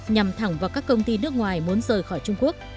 nhằm thẳng vào các công ty nước ngoài muốn rời khỏi trung quốc